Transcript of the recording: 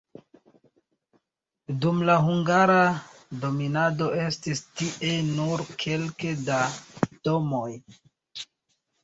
Dum la hungara dominado estis tie nur kelke da domoj.